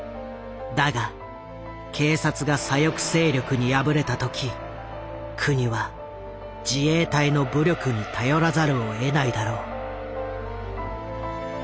だが警察が左翼勢力に敗れた時国は自衛隊の武力に頼らざるをえないだろう。